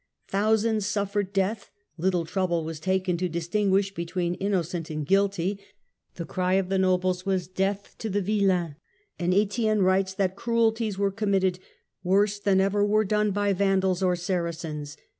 Thousands suffered death, Httle trouble was taken to distinguish between innocent and guilty; the cry of the nobles was " Death to the villeins," and Etienne writes that cruelties were committed " worse than ever were done by Vandals or Saracens".